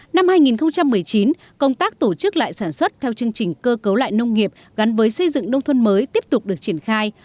năm hai nghìn một mươi chín công tác tổ chức lại sản xuất theo chương trình cơ cấu lại nông nghiệp gắn với xây dựng nông thôn mới tiếp tục được triển khai